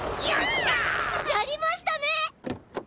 やりましたね！